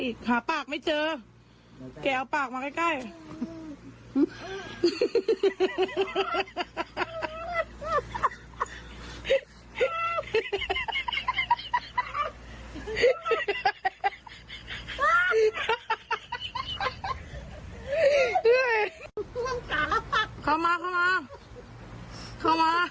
ดีนะคือปุ้ยดูแล